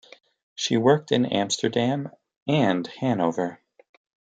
She worked in Amsterdam and Hannover.